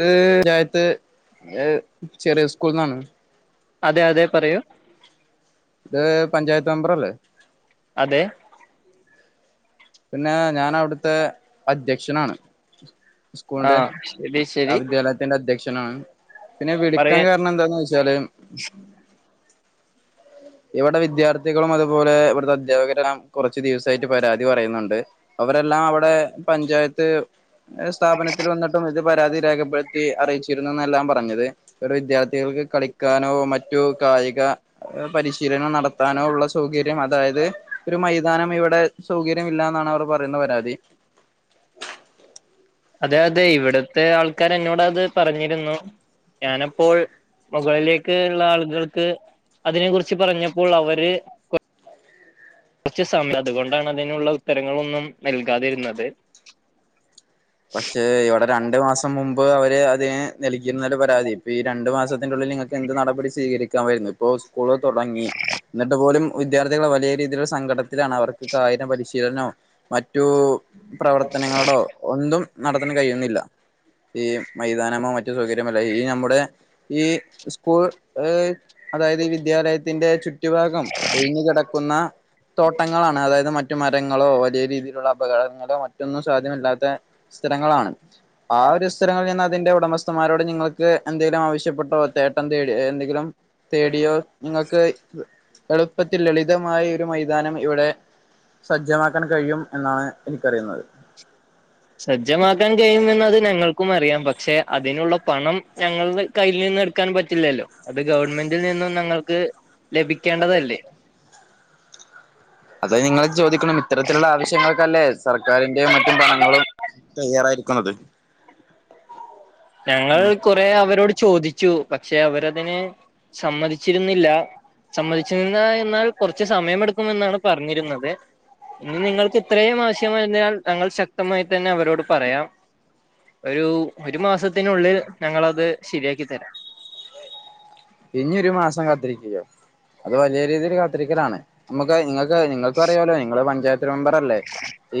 ഇത് [unintelligible] എഹ് ചെറിയ സ്കൂൾന്നാണ് അതെ അതെ പറയൂ ഇത് പഞ്ചായത്ത് മെമ്പറല്ലേ അതെ പിന്നെ ഞാനവ്ട്ത്തെ അധ്യക്ഷനാണ്. സ്കൂൾന്റെ ആഹ് ശരി ആ ശരി വിദ്യാല ത്തിന്റ അധ്യക്ഷനാണ് പിന്നെ പറയ വിളിക്കാം കാര്ണം എന്താന്ന് വെച്ചാല് ഇവ്ടെ വിദ്യാർത്ഥികളും അതുപോലെ ഇവ്ട്ത്ത അധ്യാപകരല്ലാം കൊറച്ച്‌ ദിവസായ്ട്ട് പരാതി പറയ്ന്നുണ്ട് അവരെല്ലാം അവ്ടെ പഞ്ചായത്ത് സ്ഥാപനത്തിൽ വന്നിട്ടും ഇത് പരാതി രേഖപ്പെട് ത്തി അറീച്ചിരുന്നന്നെല്ലാം പറഞ്ഞത് ഒരു വിദ്യാർത്ഥികൾക്ക് കളിക്കാനോ മറ്റു കായിക പരിശീലനം നടത്താനോ ഉള്ള സൗകര്യം അതായത് ഒരു മൈതാനം ഇവടെ സൗകര്യം ഇല്ലാന്നാണ് അവർ പറിന്ന പരാതി അതെ അതെ ഇവ്ട്ത്തെ ആൾക്കാരെന്നോടത് പറഞ്ഞിരുന്നു ഞാനപ്പോൾ മുകളിലേക്ക് ഇള്ള ആള്കൾക്ക് അതിനെ കുറിച്ച് പറഞ്ഞപ്പോൾ അവര് കുറച്ച്‌ സംനത്കൊണ്ടാണ് അതിനുള്ള ഉത്തരങ്ങളൊന്നും നെൽകാതിര്ന്നത്. പക്ഷെ ഇവടെ രണ്ട് മാസം മുമ്പ് അവര് അതെ നൽകിന്നല്ലോ പരാതി ഇപ്പീ രണ്ട് മാസത്തിന്റുള്ളില് നിങ്ങ എന്ത് നടപടി സ്വീകരിക്കാമായിര്ന്നു ഇപ്പോ സ്കൂള് തൊടങ്ങി എന്നിട്ട് പോലും വിദ്യാർത്ഥികള് വലിയ രീതിലൊര് സങ്കട ത്തിലാണ് അവർക്ക് കായിന പരിശീലനോ മറ്റു പ്രവർത്തനങ്ങളോ ഒന്നും നടത്തണ കയുന്നില്ല ഈ മൈതാനമോ മ റ്റ് സൗകര്യമല്ല ഈ ഞമ്മുടെ ഈ സ്കൂൾ ഏഹ് അതായത് ഈ വിദ്യാലയത്തിന്റെ ചുറ്റു ഭാഗം ഒഴിഞ്ഞ് കെടക്കുന്ന തോട്ടങ്ങളാണ് അതായത് മറ്റു മരങ് ങ്ങളോ വലിയ രീതിയിലുള്ള അപകടങ്ങളോ മറ്റൊന്നും സാധ്യമല്ലാത്തെ സ്ഥലങ്ങളാണ് ആ ഒര് സ്ഥലങ്ങളിൽ ചെന്ന് അതിന്റെ ഉടമസ്ഥമ്മാരോട് നിങ്ങൾക്ക് എന്തെലു ആവശ്യപ്പെട്ടോ തേട്ടം തേടി എന്തെങ്കിലും തേടിയോ നിങ്ങക്ക് എളുപ്പത്തിൽ ലളിതമായ ഒരു മൈതാനം ഇവടെ സജ്ജമാക്കാൻ കഴിയും എന്നാണ് എനിക്കറിന്നത്. സജ്ജമാക്കാൻ കഴിയുമെന്നത് ഞങ്ങൾ ക്കും അറിയാം പക്ഷെ അതിനുള്ള പണം ഞങ്ങൾട കയ്യിന്ന് എടുക്കാനും പറ്റില്ലല്ലോ അത് ഗവൺമെന്റിൽ നിന്നും നങ്ങൾക്ക് ലഭിക്കേണ്ടതല്ലേ അത് നിങ്ങൾ ചോദിക്കണം ഇത്തരത്തിലുള്ള ആവശ്യങ്ങൾക്കല്ലേ സർക്കാരിന്റെ മറ്റും പണങ്ങളും തയ്യാറായിരിക്കണത് ഞങ്ങൾ കൊറെ അവരോട് ചോദിച്ചു പക്ഷെ അവരതിന് സമ്മതിച്ചിരുന്നില്ല സമ്മതിച്ചുന്ന എന്നാൽ കൊറച്ച് സമയമെടുക്കുമെന്നാണ് പറഞ്ഞിര്ന്നത് ഇനി നിങ്ങൾക്ക് ഇത്രേം ആവശ്യമായതിനാൽ ഞങ്ങൾ ശക്തമായി തന്ന അവരോട് പറയാം ഒരു ഒരു മാസത്തിനുള്ളിൽ ഞങ്ങളത് ശരിയാക്കി തരാം ഇനി ഒരു മാസം കാത്തിരിക്കയോ അത് വലിയ രീതിയിൽ കാത്തിരിക്കലാണ് നമുക്ക് നിങ്ങൾക്ക് നിങ്ങൾക്ക് അറിയല്ലോ നിങ്ങള് പഞ്ചായത്ത് മെമ്പറല്ലേ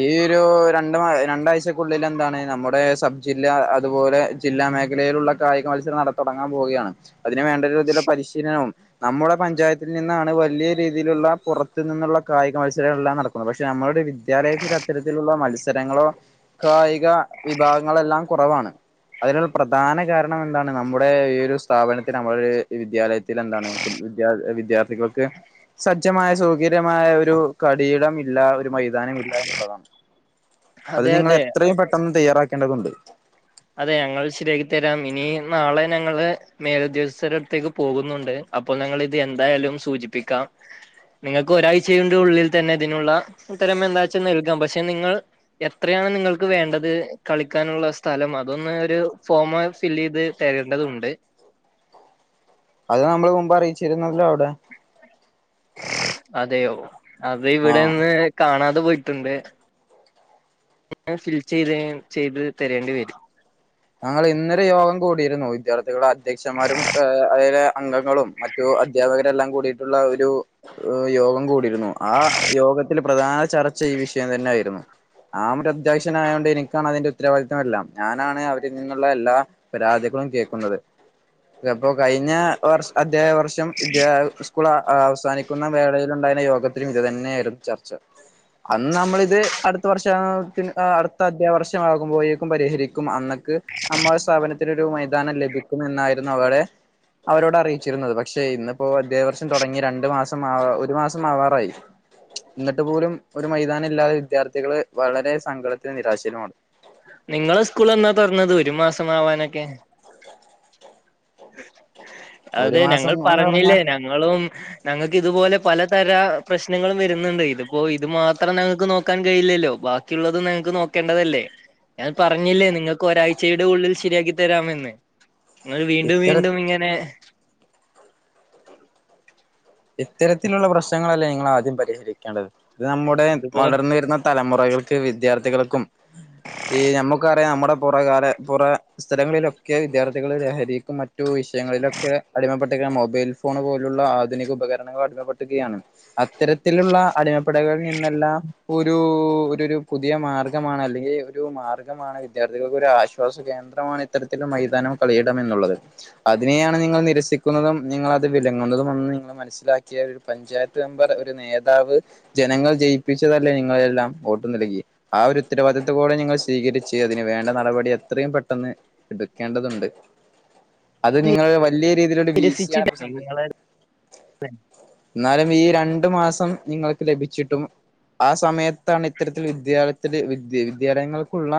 ഈ ഒരു രണ്ട് മാ രണ്ടാഴ്ചക്കുള്ളിൽ എന്താണ് നമ്മുടെ സബ്ജില്ല അതുപോലെ ജില്ലാ മേഖലയിലുള്ള കായിക മത്സരം നട തുടങ്ങാൻ പോവുകയാണ് അതിന് വേണ്ട ഒരുതിള്ള പരിശീലനവും നമ്മുടെ പഞ്ചായത്തിൽ നിന്നാണ് വലിയ രീതിയിലുള്ള പുറത്തു നിന്നുള്ള കായിക മത്സരങ്ങളെല്ലാം നട പക്ഷെ നമ്മളുടെ വിദ്യാലയത്തില് അത്തരത്തിലുള്ള മത്സരങ്ങളോ കായിക വിഭാഗങ്ങളെല്ലാം കൊറവാണ് അതിനൽ പ്രധാന കാരണം എന്താണ് നമ്മുടെ ഈ ഒരു സ്ഥാപനത്തിന് നമ്മ വിദ്യാലയത്തിൽ എന്താണ് വിദ്യാ വിദ്യാർത്ഥികൾക്ക് സജ്ജമായ സൗകര്യമായ ഒരു കടിയിടം ഇല്ല ഒരു മൈതാനംല്ല ല്ല എന്നുള്ളതാണ് അത് അതെ നിങ്ങ അതെ എത്രയും പെട്ടെന്ന് തയ്യാറാക്കേണ്ടതുണ്ട് അതെ ഞങ്ങൾ ശരിയാക്കക്ക് തരാം ഇനി നാളെ ഞങ്ങള് മേലുദ്യോഗസ്ഥരു അടുത്തേക്ക് പോകുന്നുണ്ട് അപ്പൊ ഞങ്ങൾ ഇത് എന്തായാലും സൂചിപ്പിക്കാം നിങ്ങൾക്ക് ഒരാഴ്ചന്റെ ഉള്ളിൽ തന്നെ ഇതിനുള്ളത്തരം എന്താച്ചാൽ നൽകാം പക്ഷെ നിങ്ങൾ എത്രയാണ് നിങ്ങൾക്ക് വേണ്ടത് കളിക്കാനുള്ള സ് സ്ഥലം അതൊന്ന് ഒരു ഫോമ ഫില് ചെയ്ത് തരേണ്ടതുണ്ട് അത് നമ്മള് മുമ്പ് അറിയിച്ചിരുന്നല്ലോ അവിടെ അതെയോ അത് ആഹ് ഇവിടെന്ന് കാണാതെ പോയിട്ടുണ്ട് നിങ്ങൾ ഫിൽ ചെയ്ത് ചെയ്ത് തരേണ്ടി വരും ഞങ്ങൾ ഇന്നൊരു യോഗം കൂടിയിരുന്നു വിദ്യാർത്ഥികള് അധ്യക്ഷന്മാരും അതിലെ അംഗങ്ങളും മറ്റു അധ്യാപകരെല്ലാം കൂടിയിട്ടുള്ള ഒരു ഏ യോഗം കൂടിയിരുന്നു ആ യോഗത്തിൽ പ്രധാന ചർച്ച ഈ വിഷയം തന്നെ ആയിരുന്നു ഞാനൊരു അധ്യക്ഷനായൊണ്ട് എനിക്കാണ് അതിന്റെ ഉത്തരവാദിത്തം എല്ലാം ഞാനാണ് ന്നുള്ള എല്ലാ പരാതികളും കേൾക്കുന്നത് അപ്പോ കഴിഞ്ഞ വർഷ അധ്യായ വർഷം വിദ്യ സ്കൂൾ അവസാനിക്കുന്ന വേളയില ഉണ്ടായുന്ന യോഗ ഇത് തന്നെയ ആയിരുന്നു ചർച്ച അന്ന് നമ്മളിത് അടുത്ത വർഷ അടുത്ത അധ്യാ വർഷംമാകുമ്പോഴേക്കും പരിഹരിക്കും അന്നൊക്കെ ക്ക് നമ്മളെ സ്ഥാപനത്തിനൊരു മൈതാനം ലഭിക്കും എന്നായിരുന്നു അവടെ അവരോട് അറിയിച്ചിരുന്നത് പക്ഷേ ഇന്നിപ്പോ അദ്ധ്യയ വർഷം തൊടങ്ങി രണ്ടു മാസം ആ ഒരു മാസം ആവാറായി ഇന്നട്ട് പോലും ഒരു മൈതാനം ഇല്ലാതെ വിദ്യാർത്ഥികള് വളരെ സങ്കടത്തിലും നിരാശയിലുമാണ് നിങ്ങളെ സ്കൂൾ എന്നാ തുറന്നത് ഒരു മാസംമാവാനൊക്കെ അത ഒരു ഞങ്ങൾ മാസം എന്ന് പറഞ്ഞില്ലേ പറഞ്ഞാൽ ഞങ്ങളും ഞങ്ങൾക്ക് ഇതുപോലെ പലതര പ്രശ്നങ്ങളും വരുന്നുണ്ട് ഇതിപ്പോ ഇത് മാത്രം ഞങ്ങൾക്ക് നോക്കാൻ കഴിയില്ലല്ലോ ബാക്കി ക്കുന്നതും നിങ്ങൾക്ക് നോക്കേണ്ടതല്ലേ ഞാൻ പറഞ്ഞില്ലേ നിങ്ങൾക്ക് ഒരാഴ്ചയുടെ ഉള്ളിൽ ശരിയാക്കി തരാമെന്ന് ഇത്തര വീണ്ടുംവീണ്ടും ഇങ്ങനെ ഇത്തരത്തിലുള്ള പ്രശ്നങ്ങളല്ലേ നിങ്ങൾ ആദ്യം പരിഹരിക്കേണ്ടത് ഇത് നമ്മുടെ ഇതുപോലെ വളർന്ന് വരുന്ന തലമുറകൾക്ക് വിദ്യാർത്ഥികൾക്കും ഈ നമുക്കറിയാം നമ്മുടെ പുറകാല പുറ സ്ഥലങ്ങളിലൊക്കെ വിദ്യാർത്ഥ ലഹരിക്കും മറ്റു വിഷയങ്ങളിലൊക്കെ അടിമപ്പെട്ടിക്ക മൊബൈൽ ഫോൺ പോലുള്ള ആധുനിക ഉപകരണങ്ങൾ അടിമപ്പെട്ടുകയാണ് അത്തരത്തിലുള്ള അടിമപ്പെടകിൽ നിന്നെല്ലാം ഒരു ഒരു ഒരു പുതിയ മാർഗ്ഗമാണ് അല്ലെങ്കിൽ ഒരു മാർഗമാണ് വിദ്യാർത്ഥികൾക്ക് ഒരു ആശ്വാസ കേന്ദ്രമാണ് ഇത്തരത്തിൽ മൈതാനം കളിയടം എന്നുള്ളത് അതിനെയാണ് നിങ്ങൾ നിരസിക്കുന്നതും നിങ്ങ അത് വിലങ്ങുന്നതും ഒ നി മനസ്സിലാക്കിയ ഒരു പഞ്ചായത്ത് മെമ്പർ ഒരു നേതാവ് ജനങ്ങൾ ജയിപ്പിച്ചതല്ലേ നിങ്ങളെല്ലാം വോട്ട് നൽകി ആ ഒരു ഉത്തരവാദിത്വ കൂടെ നിങ്ങൾ സ്വീകരിച്ച് അതിന് വേണ്ട നടപടി എത്രയും പെട്ടെന്ന് എടുക്കേണ്ടതുണ്ട് അത് നിങ്ങളില് വലിയ രീതിയിലൊരു വീഴ്ചയാണ് ഇപ്പ സംഭവിക്കുന്നത് അതെ എന്നാലും ഈ രണ്ടു മാസം നിങ്ങൾക്ക് ലഭിച്ചിട്ടും ആ സമയത്താണ് ഇത്തരത്തിൽ വിദ്യാലയത്തില് വിദ്യ വിദ്യാലയങ്ങൾക്കുള്ള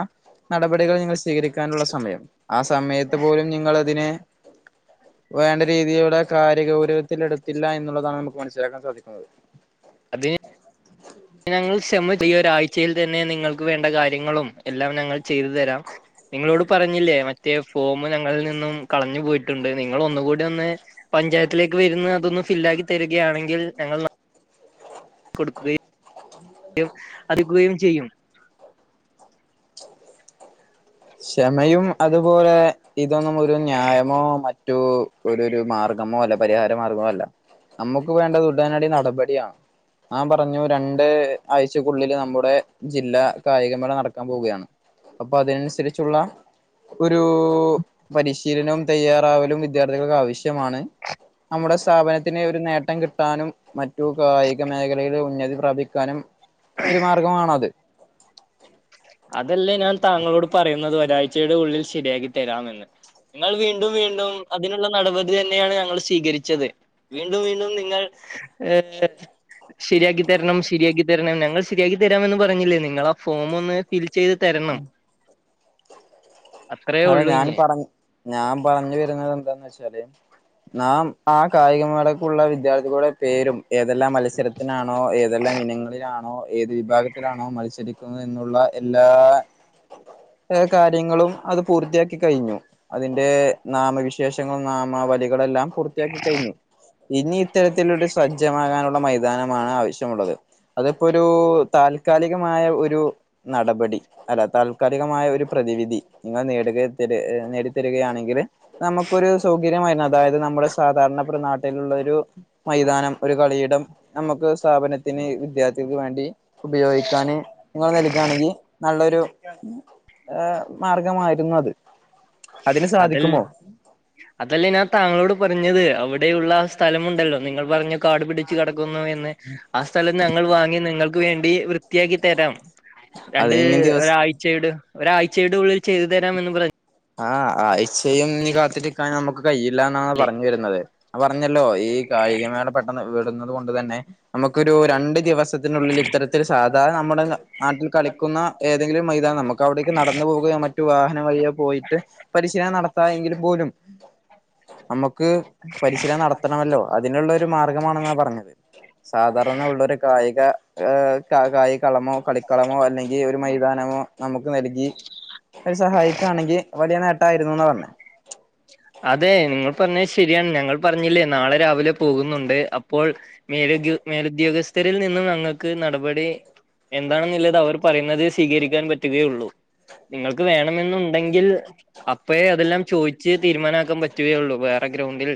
നടപടികൾ നിങ്ങൾ സ്വീകരിക്കാനുള്ള സമയം ആ സമയത്ത് പോലും നിങ്ങളതിനെ വേണ്ട രീതിയുടെ കാര്യ ഗൗരവത്തിലെടുത്തില്ല എന്നുള്ളതാണ് നമുക്ക് മനസ്സിലാക്കാൻ സാധിക്കുന്നത് അതെ ഞങ്ങൾ ക്ഷെമ ചെയ്യുവാ ഈ ഒരാഴ്ച്ചയിൽ തന്നെ നിങ്ങൾക്ക് വേണ്ട കാര്യങ്ങളും എല്ലാം ഞങ്ങൾ ചെയ്തു തരാം നിങ്ങളോട് പറഞ്ഞില്ലേ മറ്റേ ഫോമ് ഞങ്ങളിൽ നിന്നും കളഞ്ഞു പോയിട്ടുണ്ട് നിങ്ങള് ഒന്നുകൂടി ഒന്ന് പഞ്ചായത്തിലേക്ക് വരുന്ന അതൊന്ന് ഫില്ലാക്കി തരുകയാണെങ്കിൽ ഞങ്ങൾ നാ കൊടുക്കുകയും [unintelligible] ചെയ്യും ക്ഷെമയും അതുപോലെ ഇതൊന്നും ഒരു ന്യായമോ മറ്റൂ ഒരു ഒരു മാർഗ്ഗമോ അല്ല പരിഹാര മാർഗ്ഗമോ അല്ല നമ്മുക്ക് വേണ്ടത് ഉടനടി നടപടിയാണ് അവൻ പറഞ്ഞു രണ്ട് ആഴ്ച്ചക്കുള്ളില് നമ്മുടെ ജില്ലാ കായികമേള നടക്കാൻ പോകയാണ് അപ്പ അതിനനുസരി ച്ചുള്ള ഒരൂ പരിശീലനോം തയ്യാറാവലും വിദ്യാർത്ഥികൾക്ക് ആവശ്യ മാണ് നമ്മുടെ സ്ഥാപനത്തിന് ഒരു നേട്ടം കിട്ടാനും മറ്റു കായിക മേഖലേല് ഉന്നതി പ്രാപിക്കാനും ഒരു മാർഗമാണ് അത് അതല്ലെ ഞാൻ താങ്കളോട് പറയുന്നത് ഒരാഴ്ച്ചയുടെ ഉള്ളിൽ ശരിയാക്കി തരാമെന്ന് നിങ്ങൾ വീണ്ടും വീണ്ടും അതിനുള്ള നടപടി തന്നെയാണ് ഞങ്ങള് സ്വീകരിച്ചത് വീണ്ടും വീണ്ടും നിങ്ങൾ ഏഹ് ശരിയാക്കി തരണം ശരിയാക്കി തരണം ഞങ്ങൾ ശരിയാക്കി തരാമെന്ന് പറഞ്ഞില്ലെ നിങ്ങളാ ഫോ മൊന്ന് ഫിൽ ചെയ്ത് തരണം അത്രേ ഹലോ ഉള്ളൂ ഞാൻ ഇഞ്ഞ് പറഞ് ഞാൻ പറഞ്ഞു വരുന്നത് എന്താന്ന് വെച്ചാല് നാം ആ കായികമേളക്കുള്ള വിദ്യാർത്ഥികളുടെ പേരും ഏതെല്ലാം മത്സരത്തിനാണ് ണോ ഏതെല്ലാം ഇനങ്ങളിലാണോ ഏത് വിഭാഗത്തിലാണോ മത്സരിക്കുന്നത് എന്നുള്ള എല്ലാ [unintelligible] കാര്യങ്ങളും അത് പൂർത്തിയാക്കി കഴിഞ്ഞു അതിന്റേ നാമവിശേഷങ്ങളും നാമാവലികളെല്ലാം പൂർത്തിയാക്കി കഴിഞ്ഞു ഇനി ഇത്തരത്തിലൂടെ സജ്ജമാകാനുള്ള മൈതാനമാണ് ആവശ്യമുള്ളത് അതിപ്പൊ ഒരൂ താൽ ക്കാലികമായ ഒരു നടപടി അല്ല താൽക്കാലികമായ ഒരു പ്രതിവിധി നിങ്ങള് നേടുകെതരി എഹ് നേടിത്തരുകയാണെങ്കില് നമ്മക്കൊരു സൗകര്യമായ ന അതായത് നമ്മുടെ സാധാരണപ്പ്രെ നാട്ടിലുള്ള ഒരു മൈതാനം ഒരു കളിയിടം നമുക്ക് സ്ഥാപനത്തിന് വിദ്യാർത്ഥിക്ക് വേണ്ടി ഉപയോഗിക്കാന് നിങ്ങള് നൽകാണെങ്കി നല്ലൊരു ഏഹ് മാർഗമായിരുന്നത് അതിൽ അതല്ലെ ഞാൻ താങ്കളോട് പറഞ്ഞത് അവിടെയുള്ളാ സ്ഥലമുണ്ടല്ലൊ നിങ്ങൾ പറഞ്ഞ കാടു പിടിച്ചു കെടക്കുന്നു എന്ന് ആ സ്ഥലം ഞങ്ങൾ വാങ്ങി നിങ്ങൾക്ക് വേണ്ടി വൃത്തിയാക്കി തരാം രണ്ട് അതിനി ദിവസ ഒരാഴ്ച്ചേട് ഒരാഴ്ച്ചേടെ ഉള്ളിൽ ചെയ്തു തരാമെന്ന് പറഞ്ഞു ആഹ് ആഴ്ച്ചയും ഇന്നി കാത്തിരിക്കാം നമുക്ക് കഴിയില്ലാന്നാണ് പറഞ്ഞു വരുന്നത് അത് പറഞ്ഞല്ലോ ഈ കായികമേള പെട്ടെന്ന് വിടുന്നത് കൊണ്ട് തന്നെ നമുക്കൊരു രണ്ട് ദിവസ ത്തിനുള്ളില് ഇത്തരത്തില് സാധാ നമ്മുടെ ന നാട്ടിൽ കളിക്കുന്ന ഏതെങ്കിലും മൈതാനം നമ്മുക്കവിടേക്ക് നടന്ന് പോവുകയോ മ റ്റു വാഹന വഴിയോ പോയിട്ട് പരിശീലനം നടത്തായെങ്കില് പോലും നമുക്ക് പരിശീലനം നടത്തണമല്ലൊ അതിനുള്ളൊരു മാർഗമാണെന്നാ പറഞ്ഞത് സാധാരണ ഉള്ളൊരു കായിക ക കായികളമോ കളിക്കളമോ അല്ലെങ്കിൽ ഒരു മൈതാനമോ നമുക്ക് നൽകി ഒരു സഹായിക്കു ആണെങ്കിൽ വലിയ നേട്ടമായിരുന്നുന്ന് പറഞ്ഞേ അതെ നിങ്ങൾ പറഞ്ഞെ ശരിയാണ് ഞങ്ങൾ പറഞ്ഞില്ലേ നാളെ രാവിലെ പോകുന്നുണ്ട് അപ്പോൾ മേല് ഉദ്യോ മേലുദ്യോഗസ്ഥരിൽ നിന്നും ഞങ്ങൾക്ക് നടപടി എന്താണെന്നുള്ളത് അവർ പറയുന്നത് സ്വീകരിക്കാൻ പറ്റുകയുള്ളൂ നിങ്ങൾക്ക് വേണമെന്നുണ്ടെങ്കിൽ അപ്പയേ അതെല്ലാം ചോയിച്ച് തീരുമാനാക്കാൻ പറ്റുകയുള്ളു വേറെ ഗ്രൗണ്ടിൽ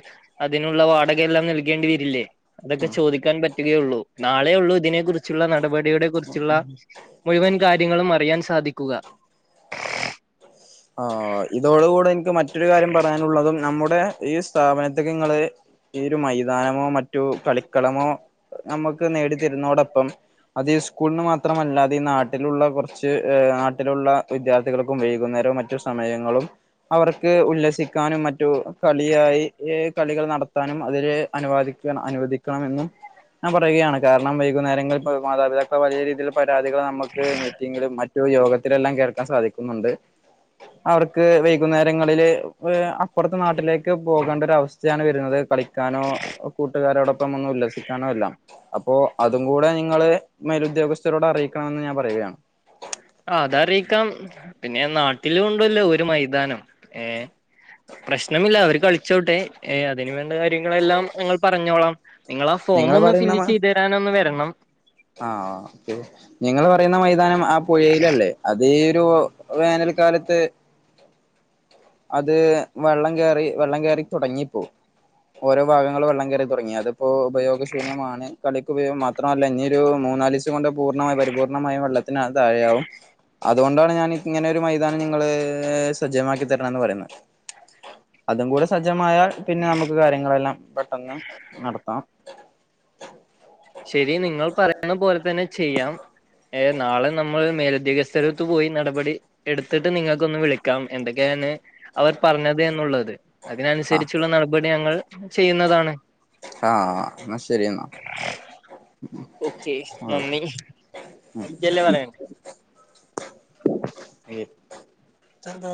അതിനുള്ള വാടക എല്ലാം നൽകേണ്ടി വരില്ലേ അതൊക്കെ ഉം ചോദിക്കാൻ പറ്റുകേയുള്ളൂ നാളെ ഉള്ളൂ ഇതിനെ കുറിച്ചുള്ള നടപടി ഡിവിഡെ കുറിച്ചുള്ള മുഴുവൻ കാര്യങ്ങളും അറിയാൻ സാധിക്കുക ആഹ് ഇതോട് കൂടെ എനിക്ക് മറ്റൊരു കാര്യം പറയാനുള്ളതും നമ്മുടെ ഈ സ്ഥാപനത്തേക്ക് നിങ്ങള് ഈ ഒരു മൈതാനമോ മറ്റു കളിക്കളമോ നമുക്ക് നേടി തരുന്നതോടൊപ്പം അത് ഈ സ്കൂളിന് മാത്രമല്ല അത് ഈ നാട്ടിലുള്ള കുറച്ച് ഏഹ് നാട്ടിലുള്ള വിദ്യാർത്ഥികൾക്കും വൈകുന്നരോ മറ്റ് റ്റു സമയങ്ങളും അവർക്ക് ഉല്ലസിക്കാനും മറ്റു കളിയായി ഏഹ് കളികൾ നടത്താനും അതില് അനുവാദിക് ക്കണം അനുവദിക്കണമെന്നും ഞാൻ പറയുകയാണ് കാരണം വൈകുന്നേരങ്ങളിൽ ഇപ്പ മാതാപിതാക്കളെ വലിയ രീതിയിൽ പരാതികള് നമ്മക്ക് മീറ്റിങ്ങിലും മറ്റു യോഗത്തിലെല്ലാം കേൾക്കാൻ സാധിക്കുന്നുണ്ട് അവർക്ക് വൈകുന്നേരങ്ങളില് അപ്പുറത്തെ നാട്ടിലെ ക്ക്‌ പോകേണ്ട ഒരു അവസ്ഥയാണ് വരുന്നത് കളിക്കാനോ കൂട്ടുകാരോടൊപ്പം ഒന്ന് ഉല്ലസിക്കാൻ ണു എല്ലാം അപ്പോ അതും കൂടെ നിങ്ങള് മേലുദ്യോഗസ്ഥരോട് അറിയിക്കണമെന്ന് ഞാൻ പറയുകയാണ് ആഹ് അതറിയിക്കാം പിന്നെ നാട്ടില് ഉണ്ടല്ലോ ഒരു മൈതാനം ഏഹ് പ്രശ്നമില്ല അവര് കളിച്ചോട്ടെ ഏഹ് അതിന് വേണ്ട കാര്യങ്ങളെല്ലാം ഞങ്ങൾ പറഞ്ഞോളാം നിങ്ങളാ നിങ്ങൾ ഫോം ഒന്ന് ഫില്ല് ചെയ്തു തരാൻ ഒന്ന് വരണം ആഹ് അപ്പോ നിങ്ങള് പറയുന്ന മൈതാനം ആ പുഴയിലല്ലേ അതി ഒരു വേനൽക്കാലത്ത് അത് വെള്ളം കേറി വെള്ളം കേറി തുടങ്ങിപ്പോ ഓരോ ഭാഗങ്ങള് വെള്ളം കേറി തുടങ്ങി അതിപ്പോ ഉപയോഗശൂന്യമാണ് കളിക്ക് ഉപയോഗം മാത്രമല്ല ഇഞ്ഞിയൊരു മൂന്നാലിസം കൊണ്ട് പൂർണ്ണമായി പരിപൂർണ്ണമായ വെള്ളത് ത്തിനത് താഴെയാവും അതുകൊണ്ടാണ് ഞാൻ ഇങ്ങനെ ഒരു മൈതനം നിങ്ങള് സജ്ജമാക്കി തരണംന്ന് പറയുന്നത് അതും കൂടെ സജ്ജമായാൽ പിന്നെ നമുക്ക് കാര്യങ്ങളെല്ലാം പെട്ടെന്ന് നടത്താം ശരി നിങ്ങൾ പറയുന്ന പോലെ തന്നെ ചെയ്യാം ഏഹ് നാളെ നമ്മള് മേലുദ്യോഗസ്ഥരടുത്ത് പോയി നടപടി എടുത്തിട്ട് നിങ്ങക്കൊന്ന് വിളി ക്കാം എന്തൊക്കെയാന്ന് അവർ പറഞ്ഞത് എന്നുള്ളത് ആ അതിനനുസരിച്ചുള്ള നടപടി ഞങ്ങൾ ചെയ്യുന്നതാണ് ആഹ് എന്നാ ശരി എന്നാ ഓക്കെ നന്ദി അത് ജ് അല്ലെ പറയണ്ടെ ഓക്കേ ഇതെന്താ